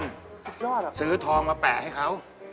สักชีวิตอะซื้อทองมาแปะให้เขา